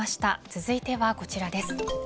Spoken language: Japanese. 続いてはこちらです。